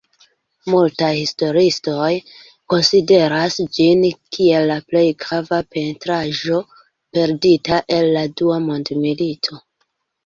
Multaj historiistoj konsideras ĝin kiel la plej grava pentraĵo perdita el la Dua Mondmilito.